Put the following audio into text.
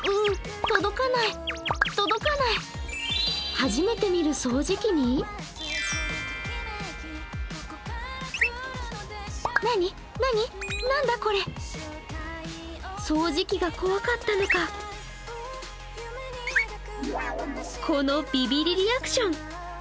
初めて見る掃除機に掃除機が怖かったのかこのビビリリアクション。